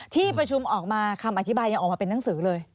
ที่ประชุมออกมาคำอธิบายยังออกมาเป็นหนังสือเลย